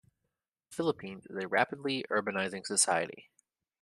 The Philippines is a rapidly urbanizing society.